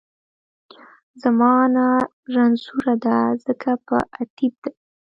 زما انا رنځورۀ دۀ ځکه په اتېب دۀ